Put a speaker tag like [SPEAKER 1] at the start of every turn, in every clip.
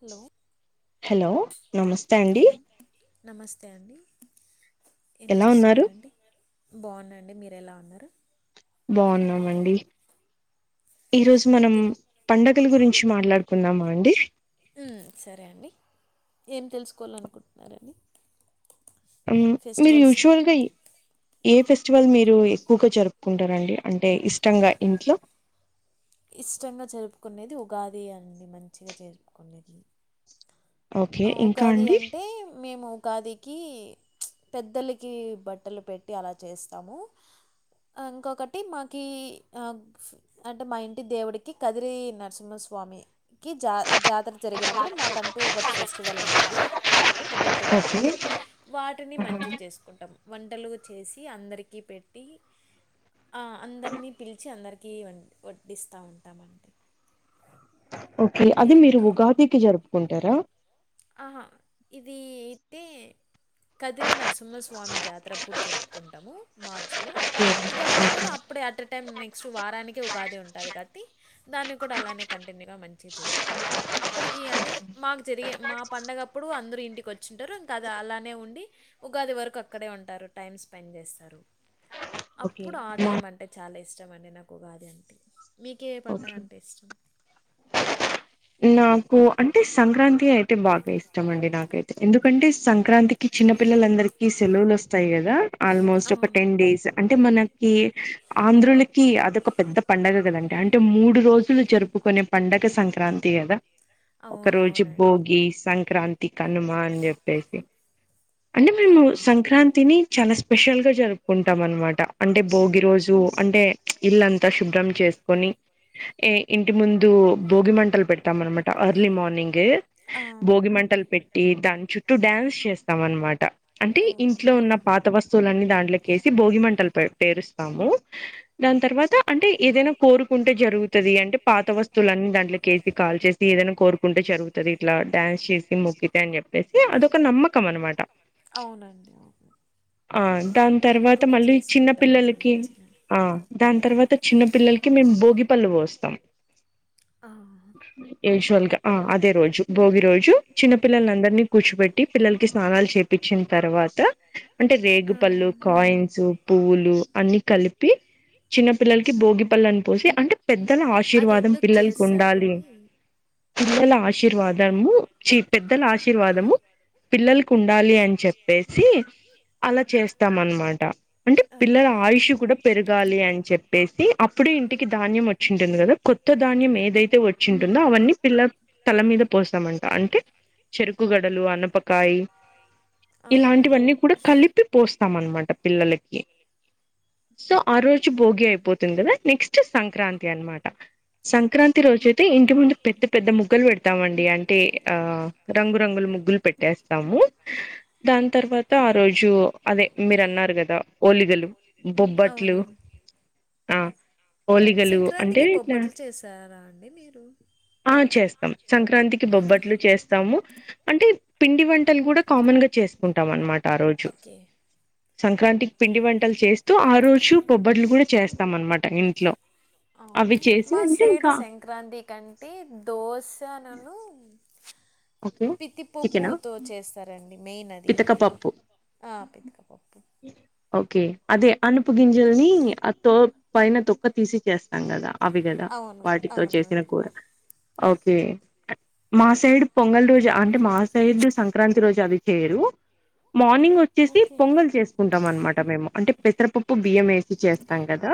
[SPEAKER 1] Hello
[SPEAKER 2] hello నమస్తే అండి
[SPEAKER 1] తఅండి ఏం
[SPEAKER 2] ఎలా ఉన్నారు
[SPEAKER 1] చేస్తున్నారండి బాగున్నా అండి మీరు ఎలా ఉన్నారు
[SPEAKER 2] బాగున్నామండి ఈరోజు మనం
[SPEAKER 1] తిన్
[SPEAKER 2] పండగల గురిం చి మాట్లాడుకుందామా అండి
[SPEAKER 1] ఉమ్ సరే అండి ఏం తెలుసుకోవాలనుకుంటున్నా రండి
[SPEAKER 2] ఉమ్ మీరు యూజువల్గా ఈ ఏ ఫెస్టివల్ మీరు ఎక్కువగా జరుపుకుంటారండి అంటే ఇష్టంగా ఇంట్లో
[SPEAKER 1] ఇష్టంగా జరుపుకునేది ఉగాది అండి మంచిగా జరుపుకునేది
[SPEAKER 2] ఓకే
[SPEAKER 1] అ
[SPEAKER 2] ఇంకా
[SPEAKER 1] ఉగాది
[SPEAKER 2] అండి
[SPEAKER 1] అంటే మేము ఉగాదికి పెద్దలకి బట్టలు పెట్టి అలా చేస్తాము ఆ ఇంకొకటి మాకి అంటే మా ఇంటి దేవుడికి కదిరి నరసింహ స్వామికి జా జాతర జరిగినప్పుడు మాకంటూ ఒక ఫెస్టివల్ ఉంటది ఒక పొద్దులు
[SPEAKER 2] ఓకే
[SPEAKER 1] అనేది వాటిని మంచిగా చేసుకుంటాం వంటలు చేసి అందరికీ పెట్టి ఆ అందరినీ పిలిచి అందరికీ వ వడ్డిస్తా ఉంటామండి
[SPEAKER 2] ఓకే అది మీరు ఉగాదికి జరుపుకుంటారా
[SPEAKER 1] ఆహా ఇది అయితే కదిరి నరసింహస్వామి జాతర అప్పుడు జరుపు కుంటాము మార్చిలో
[SPEAKER 2] ఓకే
[SPEAKER 1] ఉగాది కూడా అప్పుడే అట్ ఏ టైం నెక్స్ట్ వారానికి ఉగాది ఉంటది క బట్టి దాన్ని కూడా అలానే కంటిన్యూగ మంచిగ జరుపుకుంటాం అప్పటికి అంటే మాకు జరిగి మా పండగప్పుడు అందరూ ఇంటికి వచ్చింటారు ఇంకా అది అలానే ఉండి ఉగాది వరకు అక్కడే ఉంటారు టైమ్ స్పెండ్ చేస్తారు
[SPEAKER 2] ఓకే
[SPEAKER 1] అప్పుడు ఆ
[SPEAKER 2] మా
[SPEAKER 1] టైం అంటే చాలా ఇష్టం ఇష్టం అండి నాకు ఉగాది అంటే మీకే పండుగ
[SPEAKER 2] ఓకే
[SPEAKER 1] అంటే ఇష్టం
[SPEAKER 2] నాకు అంటే సంక్రాంతి అయితే బాగా ఇష్టం అండి నాకైతే ఎందుకంటే సంక్రాంతికి చిన్న పిల్లందరికీ సెలవులు వస్తాయి కదా ఆల్మోస్ట్ ఒక
[SPEAKER 1] అవును
[SPEAKER 2] టెన్ డేస్ అంటే మనకి ఆంధ్రులకి అదొక పెద్ద పండగ కదండి అంటే మూడు రోజులు జరుపుకు కొనే పండగ సంక్రాంతి కదా ఒక రోజు
[SPEAKER 1] అవునవునండి
[SPEAKER 2] భోగి సంక్రాంతి కనుమా అని చెప్పేసి అంటే మేము
[SPEAKER 1] అవును
[SPEAKER 2] సంక్రాంతిని చాలా స్పెషల్ గా జరుపుకుంటాం అనమాట అంటే భోగి రోజు అంటే ఇల్లంతా శుభ్రం చేసుకొని ఏ ఇంటి ముందు బోగి మంటల్ పెట్ మనమాట అర్లీ మార్నింగ్ ఏ
[SPEAKER 1] ఆ,
[SPEAKER 2] భోగి మంటలు పెట్టి దాని చుట్టూ డ్యాన్స్ చేస్తాం అనమాట ట అంటే
[SPEAKER 1] ఓహో
[SPEAKER 2] ఇంట్లో ఉన్న పాత వస్తువులన్నీ దాంట్లోకి వేసి భోగి మంటలు పె పేరుస్త దాని తర్వాత అంటే ఏదైనా కోరుకుంటే జరుగుతది అంటే పాత వస్తువులన్నీ దాంట్లోకె కాల్ చేసి ఏదైనా కోరుకుంటే జరుగుతది ఇట్లా డాన్స్ చేసి మొక్కితే అని చెప్పేసి అదొక నమ్మకం అనమాట.
[SPEAKER 1] అవునండి అవును
[SPEAKER 2] ఆ దాని
[SPEAKER 1] మేము
[SPEAKER 2] తర్వాత
[SPEAKER 1] కూడా
[SPEAKER 2] మళ్ళీ చిన్న
[SPEAKER 1] చేసుకుంటాం అండి
[SPEAKER 2] పిల్లలకి
[SPEAKER 1] మంచిగానే
[SPEAKER 2] ఆ దాని తర్వాత చిన్న పిల్లలకి మేము భోగి పళ్ళు పోస్తాం
[SPEAKER 1] ఆ
[SPEAKER 2] యూస్వల్గా ఆ అదే రోజు భోగి రోజు చూ చిన్న పిల్లల అందరినీ కూర్చోపెట్టి పిల్లలకి స్నానాలు చేపిచ్చిన తర్వాత అంటే రేగు
[SPEAKER 1] ఆ.
[SPEAKER 2] ప పళ్లు, కాయిన్స్, పువ్వులు అన్ని. ప్పి చిన్న పిల్లలకి భోగిపళ్ళని పోసి అంటే పెద్దల
[SPEAKER 1] అది
[SPEAKER 2] ఆశీర్వాదం
[SPEAKER 1] ఎందుకు
[SPEAKER 2] పిల్లలకి ఉండాలి
[SPEAKER 1] చేస్తారండి
[SPEAKER 2] పిల్లల ఆశీర్వాదము చి పెద్దల ఆశీర్వాదము పిల్లలకు ఉండాలి అని చెప్పేసి అలా చేస్తాం అనమాట అంటే పిల్లల
[SPEAKER 1] ఓకే
[SPEAKER 2] ఆయుష్ కూడా పెరగాలి అని చెప్పేసి అప్పుడే ఇంటికి ధాన్యం వచ్చింటుంది కదా కొత్త ధాన్యం ఏదైతే వచ్చింటుందో అవన్నీ పిల్ల తల మీద పోస్తామంట అంటే చెరుకుగడలు, అనపకాయి.
[SPEAKER 1] అవునా?
[SPEAKER 2] ఇలాంటివన్నీ కూడా కలిపి పోస్తాం అనమాట పిల్లలకి. సో ఆ రోజు భోగి అయిపోతుంది కదా నెక్స్ట్ సంక్రాంతి అనమాట. సంక్రాంతి రోజే తే ఇంటి ముందు పెద్ద పెద్ద ముగ్గులు పెడతామండి అంటే ఆ రంగురంగుల ముగ్గులు పెట్టేస్తాము. ఉ దాని తర్వాత ఆ రోజు అదే మీరన్నారు ఒలిగలు బొ
[SPEAKER 1] అవును
[SPEAKER 2] ఓలిగలు అంటే
[SPEAKER 1] సంక్రాంతికి
[SPEAKER 2] ఇట్లా
[SPEAKER 1] బొబ్బట్లు చేసారా అండి మీరు.
[SPEAKER 2] ఆ చేస్తాం! సంక్రాంతికి బొబ్బట్లు చేస్తాము. అంటే పిండి వంటలు కూడా కామన్ గా చేసుకుంటాం అనమాట ఆ రోజు
[SPEAKER 1] ఓకే.
[SPEAKER 2] సంక్రాంతికి పిండి వంటలు చేస్ తో ఆ రోజు పొబ్బడ్లు కూడా చేస్తాం అన్నమాట నింట్లో అవి చేసి ఉంటే ఇంకా
[SPEAKER 1] క్రాంతి కంటే దోసనును
[SPEAKER 2] ఓకే చికెనా
[SPEAKER 1] పితిపప్పుతో చేస్తారండి. మెయిన్ అది
[SPEAKER 2] పితక పప్పు
[SPEAKER 1] ఆ పితకపప్పు
[SPEAKER 2] ఓకే అదే అనుపు గింజల్ని ఆ తో పైన తొక్క తీసి చేస్తాం కదా అవి కదా
[SPEAKER 1] అవును.
[SPEAKER 2] వాటితో చేసిన
[SPEAKER 1] అవునవును.
[SPEAKER 2] కూర ఓకే మా సైడ్ పొంగలి రోజు అంటే మా సైడ్ సంక్రాంతి రోజు అవి తెరు మార్నింగ్ వచ్చేసి
[SPEAKER 1] ఓకే.
[SPEAKER 2] పొంగల్ చేసుకుంటాం అనమాట మేము అంటే పెసరపప్పు బియ్యం వేసి చేస్తాం కదా.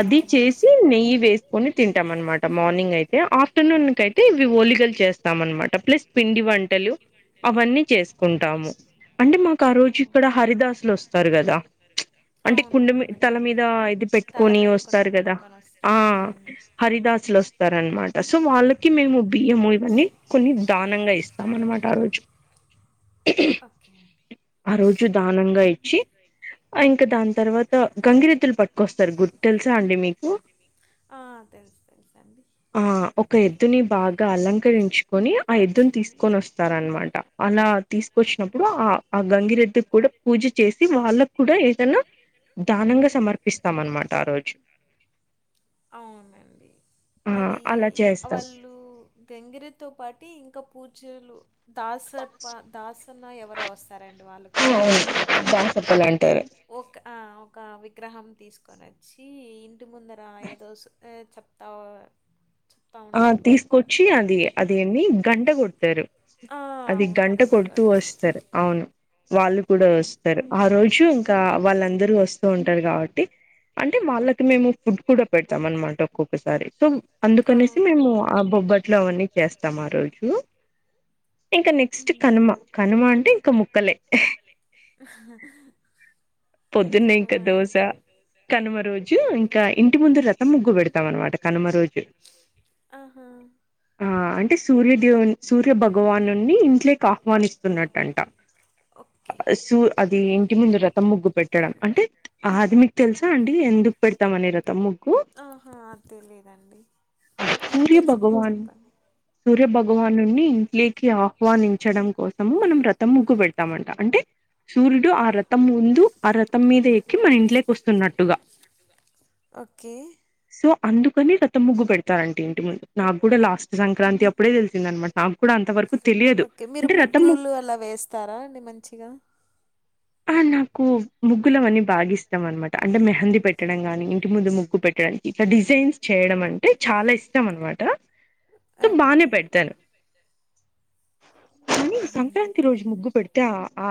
[SPEAKER 2] అది చేసి నెయ్యి వేసుకొని తింటాం అనమాట మార్నింగ్ అయితే ఆఫ్టర్నూన్ క తె ఇవి ఓలిగలు చేస్తాం అనమాట ప్లస్ పిండి వంటలు అవన్నీ చేసుకుంటాము అంటే మాకు ఆ రోజు ఇక్కడ హరిదాసులు వస్తారు కదా ప్చ్ అంటే కుండ మీ తల
[SPEAKER 1] అవునవునవునండి.
[SPEAKER 2] మీద ఇది
[SPEAKER 1] తల
[SPEAKER 2] పెట్టుకొని
[SPEAKER 1] మీద కుండ
[SPEAKER 2] వస్తారు కదా.
[SPEAKER 1] పెట్టుకొనొస్తా.
[SPEAKER 2] ఆ
[SPEAKER 1] హ్మ్.
[SPEAKER 2] హరిదాసులొస్తారన్మాట సో వాళ్ళకి మేము బి ఇవన్నీ కొన్ని దానంగా ఇస్తాం అన్నమాట ఆ రోజు
[SPEAKER 1] ఓకే అండి.
[SPEAKER 2] ఆ రోజు దానంగా ఇచ్చి ఆ ఇంకా దాం తర్వాత గంగిరెద్దులు పట్కొస్తారు గుర్ తెలుసా అండి మీకు
[SPEAKER 1] ఆ! తెలుసు తెలుసండి.
[SPEAKER 2] ఆ ఒక ఎద్దుని బాగా అలంకరించుకొని ఆ ఎద్దున్
[SPEAKER 1] ఇచ్చుకుని
[SPEAKER 2] తీసుకొనొస్తారన్మాట అలా తీసుకొచ్చినప్పుడు ఆ ఆ గంగిరెద్దుక్కుడా పూజ చేసి వాళ్ళక్కుడా ఏదనా దానంగా సమర్పిస్తామన్మాట ఆ రోజు
[SPEAKER 1] అవునండి
[SPEAKER 2] ఆ
[SPEAKER 1] అదీ
[SPEAKER 2] అలా చేస్తాం
[SPEAKER 1] వాళ్ళు గంగిరెద్ తో పాటి ఇంకా పూజలు దాస్ సర్ప దాస్ తున్న ఎవరో వస్తారండి వాళ్ళు కూడా
[SPEAKER 2] అవును దాసప్పలు అంటారు
[SPEAKER 1] ఓక్ ఆ ఒక వి గ్రహం తీసుకొనోచ్చి ఇంటి ముందర ఏదో సో ఏ చెప్తావ్
[SPEAKER 2] ఆ తీసుకొచ్చి అది అదేంది గంట కొడ్తారు
[SPEAKER 1] ఆ!
[SPEAKER 2] అది
[SPEAKER 1] అవును.
[SPEAKER 2] గంట కొడుతూ
[SPEAKER 1] గంటగడుతూ.
[SPEAKER 2] వస్తారు అవును వాళ్ళు కూడా వస్తారు ఆ రోజు ఇంకా వాళ్ళందరూ వస్ స్తూ ఉంటారు కాబట్టి అంటే వాళ్ళకి మేము ఫుడ్ కూడా పెడతామన్మాట ఒకొక్క సారి సో అందు
[SPEAKER 1] ఆ!
[SPEAKER 2] కనేసి మేము ఆ
[SPEAKER 1] ఓకే.
[SPEAKER 2] బొబ్బట్లు అవన్నీ చేస్తాం ఆ రోజు ఇంకా నెక్స్ట్ కనుమ
[SPEAKER 1] హ్మ్.
[SPEAKER 2] కనుమ అంటే ఇంకా ముక్కలే పొద్దున్నే ఇంకా
[SPEAKER 1] కనుమ
[SPEAKER 2] దోశ కనుమ రోజు ఇంకా ఇంటి ముందు రతం ము ముగ్గు పెడతాం అనమాట కనుమ రోజు
[SPEAKER 1] ఆహా
[SPEAKER 2] దేవుణ్ సూర్యభగవానున్నీ ఇంట్లోకాహ్వానిస్తున్నట్టంట
[SPEAKER 1] ఓకే
[SPEAKER 2] సూ అది ఇంటి ముందు రతం ముగ్గు పెట్టడం అంటే ఆ అది మీకు తెలుసా అండి ఎందుకు పెడతామని రథం ముగ్గు
[SPEAKER 1] ఆహా తెలీదండి మీకు
[SPEAKER 2] సూర్య
[SPEAKER 1] తెలిసింటే
[SPEAKER 2] భగవాన్
[SPEAKER 1] చెప్పండి
[SPEAKER 2] సూర్య భగవాన్ నున్నీ ఇంట్లోకి ఆహ్వానించడం కోసము మనం రథం ముగ్గు పెడతామంట అంటే సూర్యుడు ఆ రథం ముందు ఆ రథం మీద ఎక్కి మన ఇంట్లోకొస్తున్నట్టుగా
[SPEAKER 1] ఓకే
[SPEAKER 2] సో అందుకని రథం ముగ్గు పెడ్ తారంట ఇంటి ముందు నాక్కూడా లాస్ట్ సంక్రాంతి అప్పుడే తెలిసిందన్మాట అప్పుడంతవరకు
[SPEAKER 1] ఓకే మీరు ముగ్గులు అలా వేస్తారా అండి మంచిగా
[SPEAKER 2] ఆ నాకు ముగ్గులవన్నీ బాగిస్తం అనమాట అంటే మెహందీ పెట్టడంగాని ఇంటి ముందు ముగ్గు పెట్ ట్టడం ఇట్లా డిజైన్స్ చేయడం అంటే చాలా ఇష్టం అనమాట సో బానే
[SPEAKER 1] ఓకే
[SPEAKER 2] పెడతాను కానీ సంక్రాంతి రోజు ముగ్గు పెడితే ఆ ఆ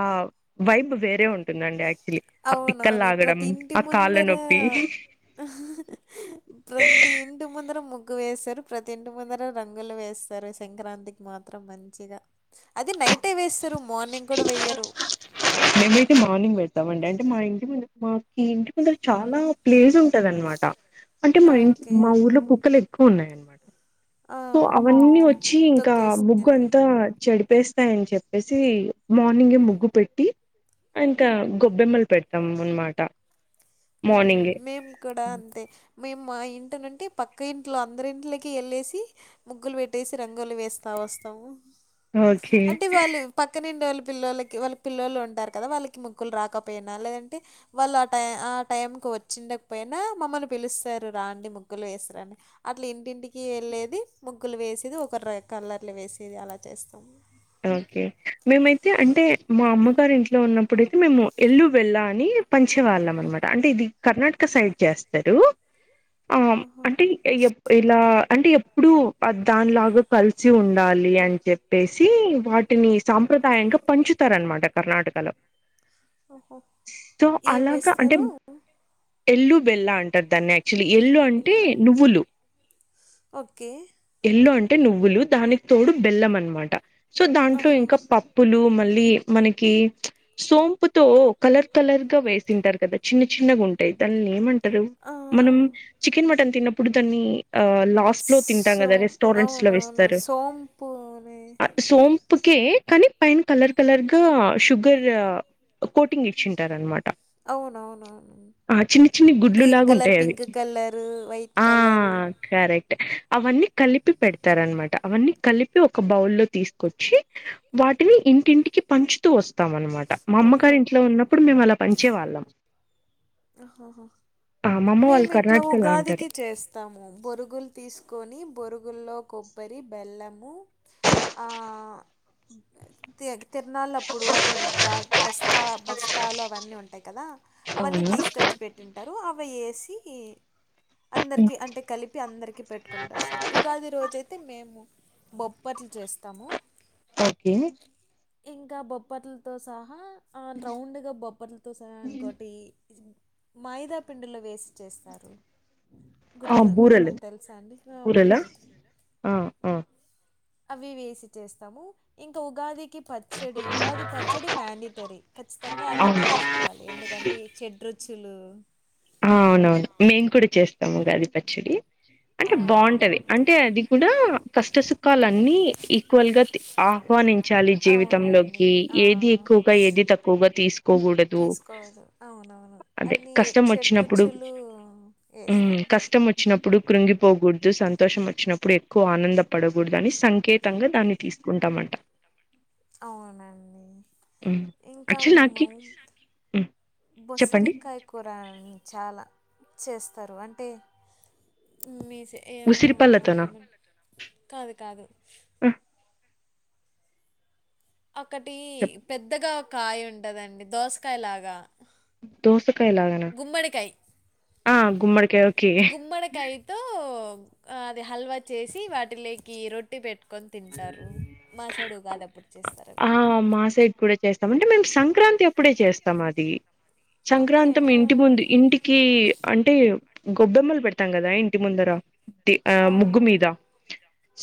[SPEAKER 2] వైబ్ వేరే ఉం టుందండి యాక్చులీ ఆ పిక్కల్
[SPEAKER 1] అవునవును.
[SPEAKER 2] లాగడం
[SPEAKER 1] ప్రతి ఇంటి
[SPEAKER 2] ఆ కాళ్ళ
[SPEAKER 1] ముందర
[SPEAKER 2] నొప్పి
[SPEAKER 1] ప్రతి ఇంటి ముందర ముగ్ గ్గు వేసారు ప్రతి ఇంటి ముందర రంగులు వేసారు సంక్రాంతికి మాత్రం మంచిగా అది నైటే వేస్తారు మార్నింగ్ కూడా వేయరు
[SPEAKER 2] తవం అంటే మా ఇంటి ముందర మాక్ ఈ ఇంటి ముందర చాలా ప్లేస్ ఉంటది అనమాట అంటే మా ఇం
[SPEAKER 1] ఓకే.
[SPEAKER 2] మా ఊర్లో కుక్కలెక్కుఉన్నాయన్నమాట
[SPEAKER 1] ఆ!
[SPEAKER 2] సో అవన్నీ
[SPEAKER 1] ఓకే.
[SPEAKER 2] వచ్చి ఇంకా ముగ్గు
[SPEAKER 1] తొక్కేస్తాయని.
[SPEAKER 2] అంతా చెడిపి ప్పేస్తాయని చెప్పేసి మార్నింగే ముగ్గు పెట్టి ఇంకా గొబ్బెమ్మలు పెడతాం అనమాట
[SPEAKER 1] ఉ మేము కూడా అంతే మేము మా ఇంటినంటే పక్క ఇంట్లో అందరి ఇంంటికి వెళ్ళేసి ముగ్గులు పెట్టేసి రంగోలీ వేస్తాము వస్తాము
[SPEAKER 2] ఓకే
[SPEAKER 1] అంటే వాళ్లు పక్క పిల్లలకి వాళ్ళ పిల్లలు ఉంటారు కదా వాళ్ళకి ముగక్కులు రాకపోయినా లేదంటే వాళ్ళు ఆ టై టైంకి వచ్చిండకపోయినా మమ్మల్ని పిలుస్తారు రాండి ముగ్గులు వేస్తాన్ అట్లా ఇంటింటికి వెళ్ళి లేది ముగ్గులు వేసేది ఒక కలర్లు వేసేది అలా చేస్తాము
[SPEAKER 2] ఓకే మేమైతే అంటే మా అమ్మగారి ఇంట్లో ఉన్నప్పుడుతే మేము ఎల్లు వెళ్ళా అండి పంచేవాళ్ళం అనమాట అంటే ఇది కర్ణటక సైడ్ చేస్తారు ఆ
[SPEAKER 1] ఆహా!
[SPEAKER 2] అంటే ఇలా అంటే ఎప్పుడు దానిలాగా కలిసి ఉండాలి అని చెప్పేసి వాటిని సాంప్రదాయంగా పంచుతారనమాట కర్ణాటకలో
[SPEAKER 1] ఓహో
[SPEAKER 2] సో
[SPEAKER 1] ఏం
[SPEAKER 2] అలాగా అంటే
[SPEAKER 1] వేస్తారు
[SPEAKER 2] ఎల్లు బెల్ అంటారు దనే ఎల్లు అంటే నువ్వులు
[SPEAKER 1] ఓకే.
[SPEAKER 2] ఎలో అంటే టే నువ్వులు దానికి తోడు బెల్లం అనమాట సో దాంట్లో
[SPEAKER 1] ఆహా!
[SPEAKER 2] ఇంకా పప్పులు మళ్ మనకి సోంపుతో కలర్ కలర్ గా వేసింటారు కదా చిన్న చిన్నగాంటయిది దానిని ఏమంటారు
[SPEAKER 1] ఆ!
[SPEAKER 2] మనం చికెన్ మటన్ తిన్నప్పుడు దాన్ని ఆ లాస్ట్ లో తింటాం కదా
[SPEAKER 1] సోమ్
[SPEAKER 2] రెస్టారెంట్స్ లో
[SPEAKER 1] అవునవును
[SPEAKER 2] వేస్తారు
[SPEAKER 1] సోంపు నీ
[SPEAKER 2] ఆ సోంపుకే కానీ పైన కలర్ కలర్గా షుగర్ కోటింగ్ ఇచ్చింటారు అనమాట
[SPEAKER 1] అవునవునవును
[SPEAKER 2] ఆ చిన్న చిన్ని
[SPEAKER 1] గ్రీన్
[SPEAKER 2] గుడ్లులాగా
[SPEAKER 1] కలర్
[SPEAKER 2] ఉంటాయి అవి
[SPEAKER 1] పింక్ కలర్ వైట్
[SPEAKER 2] ఆ
[SPEAKER 1] కలర్
[SPEAKER 2] కరెక్ట్ అవన్నీ కలిపి పెడతారునమాట అవన్నీ కలిపి ఒక బౌలో తీసుకొచ్చి వాటిని ఇంటింటికి పంచుతూ వస్తాం అన్నమాట మా
[SPEAKER 1] ఓహో
[SPEAKER 2] అమ్మగారి ఇంట్లో ఉన్నప్పుడు మేము అలా పనిచే వాళ్ళం
[SPEAKER 1] అహ హ
[SPEAKER 2] ఆ మా అమ్మ వాళ్ళు
[SPEAKER 1] మేము ఇట్లా
[SPEAKER 2] కర్ణాటకలో ఉంటారు
[SPEAKER 1] ఉగాదికి చేస్తాము బొరుగులు తీసుకొని పొరుగుల్లో కొబ్బరి బెల్లము తి తిరనాళ అప్పుడు అవి ద బస్తా బస్తాలు అవన్నీ ఉంటాయి కదా అవన్నీ
[SPEAKER 2] అవునా
[SPEAKER 1] తీసుకొచ్చి పెట్టింటారు అవి వేసి అందరికి అంటే కలిపి అందరికి పెట్టుకుంటూ వస్తారు ఉగాది రోజయితే మేము బొప్పట్లు చేస్తాము
[SPEAKER 2] ఓకే
[SPEAKER 1] ఇంకా బొప్పట్లతో సహా రౌండ్గా బొప్పట్లతో సహా అనుకోటి మైదా పిండీలో వేసి చేస్తారు
[SPEAKER 2] ఆ
[SPEAKER 1] గుర్తు మీకు
[SPEAKER 2] బూరెలు
[SPEAKER 1] ఏమన్నా తెలుసా అండి
[SPEAKER 2] బూరెలా
[SPEAKER 1] బోరైతే
[SPEAKER 2] ఆ ఆ
[SPEAKER 1] అవి వేసి చేస్తాము ఇంకా ఉగాది పచ్చడి ఉగాది పచ్చడి మ్యాడిటరీ ఖచ్చితంగా అది
[SPEAKER 2] అవును
[SPEAKER 1] చేసుకోవాలి ఎందుకంటే చెడు రుచులు
[SPEAKER 2] అవునవును మేము కూడా చేస్తాము ఉగాది పచ్చడి
[SPEAKER 1] ఆ
[SPEAKER 2] అంటే బాగుంటది అంటే అది కూడా కష్ట సుఖాలున్ని ఈక్వల్ గా ఆఫ్ మార్నింగ్ చాలి
[SPEAKER 1] అవునండి.
[SPEAKER 2] జీవితంలోకి
[SPEAKER 1] ఆ
[SPEAKER 2] ఏది ఎక్కువగా ఏది తక్కువగా తీసుకోకూడదు
[SPEAKER 1] నవును అన్ని చెట్రుచులు
[SPEAKER 2] మ్మ్ కష్టం వచ్చినప్పుడు కృంగిపోగుడుదు సంతోషం వచ్చినప్పుడు ఎక్కువ నంద పడగుడదని సంకేతంగా దాన్ని తీసుకుంటామంట
[SPEAKER 1] అవునండి
[SPEAKER 2] హ్మ్.
[SPEAKER 1] ఇంకా
[SPEAKER 2] యాక్చువల్
[SPEAKER 1] మేము
[SPEAKER 2] నాకి హ్మ్. చెప్పండి.
[SPEAKER 1] బొసరికాయ కూర చాలా చేస్తారు అంటే మీ ఏమో
[SPEAKER 2] ఉసిరిపళ్ళతోనా?
[SPEAKER 1] వలేమో కాదు కాదు
[SPEAKER 2] ఆ!
[SPEAKER 1] ఒకటి
[SPEAKER 2] చెప్
[SPEAKER 1] పెద్దగా కాయ ఉంటదండి దోసకాయ లాగా
[SPEAKER 2] దోస కయ్ లాగానా ఆ గుమ్మడి కాయ ఓకే
[SPEAKER 1] గుమ్మడికాయతో ఆ అది హల్వా చేసి వాటిలేకి రొట్టి పెట్ కొన్ తింటారు మా సైడు ఉగాదప్పుడు చేస్తా
[SPEAKER 2] ఆ మా సైడ్ కూడా చేస్తాం అంటే మేము సంక్రాంతి అప్పుడే చేస్తాం అది సంక్రాం
[SPEAKER 1] ఓకే
[SPEAKER 2] ఇంటి ముందు ఇంటికి అంటే గొబ్బెమ్మలు పెడతాం కదా ఇంటి ముందర ఆ ముగ్గు మీద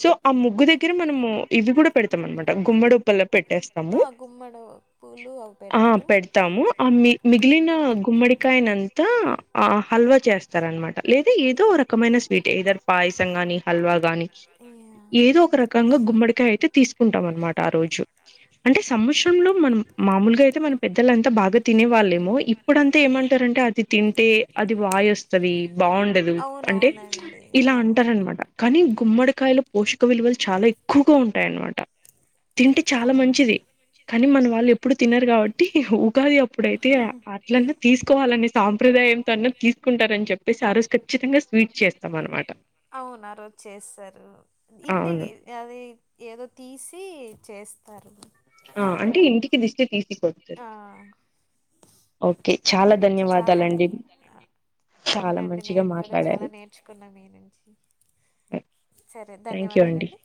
[SPEAKER 2] సో ఆ ముగ్గు దగ్గిర మనము ఇవి గుడ
[SPEAKER 1] ఆ.
[SPEAKER 2] పెడతం అన్మాట గుమ్మడు పల పెట్టేస్తాము
[SPEAKER 1] ఆ గుమ్మడి పూలు అవి
[SPEAKER 2] ఆ
[SPEAKER 1] పెడతారు
[SPEAKER 2] పెడతాము ఆ మిగిలిన గుమ్మడికాయనంతా ఆ హల్వా చేస్తా రన్మాట లేదా ఏదో రకమైన స్వీట్ ఏదరు పాయసం గాని హల్వా గాని ఏదో ఒక
[SPEAKER 1] గాని
[SPEAKER 2] రకంగా గుమ్మడికాయైతే తీసుకుంటాం అన్మాట ఆ రోజు అంటే లో మనం మామూలుగా అయితే మన పెద్దలంతా బాగా తినే వాళ్ళేమో ఇప్పుడంతా ఏమంటారంటే అది తింటే అది వాయొస్తుది బాగుండదు అంటే
[SPEAKER 1] అవునవునండి
[SPEAKER 2] ఇలా
[SPEAKER 1] ఆ
[SPEAKER 2] అంటారన్మాట కానీ కుమ్మడికాయల పోషక విలువలు చాలా ఎక్కువగా ఉంటాయన్మాట తింటే చాలా
[SPEAKER 1] అవునండి
[SPEAKER 2] మంచిది కానీ మన వాళ్ళు ఎప్పుడు తినరు గావట్టి ఉగాది అప్పుడైతే అట్లన్నా తీసుకోవాలనే సాం ప్రదాయంతో అన్న తీసుకుంటారని చెప్పేసి ఆ రోజు ఖచ్చితంగా స్వీట్ చేస్తాం అనమాట
[SPEAKER 1] అవును ఆరోజు చేస్తారు
[SPEAKER 2] అవును.
[SPEAKER 1] ఇంటికి అది ఏదో తీసి చేస్ పారుగు
[SPEAKER 2] ఆ అంటే ఇంటికి దిష్టి తీసి కొడుతర్
[SPEAKER 1] ఆ తీస్తారు.
[SPEAKER 2] ఓకే
[SPEAKER 1] మీ
[SPEAKER 2] చాలా
[SPEAKER 1] నుంచి చాలా చాలా
[SPEAKER 2] ధన్యవాదాలండి
[SPEAKER 1] నేను ధన్యవాదాలండి.
[SPEAKER 2] చాలా
[SPEAKER 1] అవునండి
[SPEAKER 2] మంచిగా
[SPEAKER 1] నేను కూడా చాలా
[SPEAKER 2] మాట్లాడారు.
[SPEAKER 1] నేర్చుకున్నా మీ నుంచి సరే
[SPEAKER 2] థ్యాంక్ యూ అండి
[SPEAKER 1] ధన్యవాదాలండి